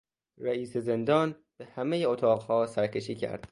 رئیس زندان به همهی اتاقها سرکشی کرد.